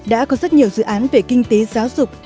đã có rất nhiều dự án về kinh tế giáo dục